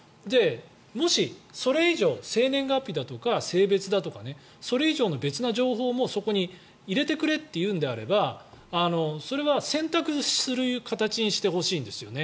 もし、それ以上、生年月日だとか性別だとかそれ以上の別の情報もそこに入れてくれというのであればそれは選択する形にしてほしいんですよね。